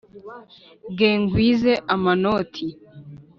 ge ngwize amanoti